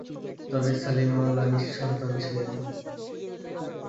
তবে সালিম মাওলা নিঃসন্তান ছিলেন।